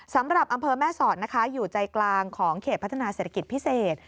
สำหรับอำเภอแม่สอดนะคะอยู่ใจกลางของเขตพัฒนาเศรษฐกิจพิเศษ